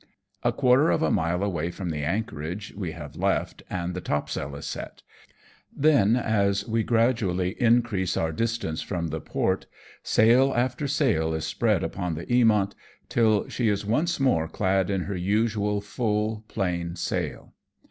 A quarter of a mile away from the anchorage we have left, and the topsail is set ; then, as we gradually increase our distance from the port, sail after sail is spread upon the Eaniont, till she is once more clad in her usual full plain sail.